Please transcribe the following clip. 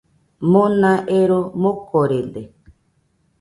Mona ero mokorede.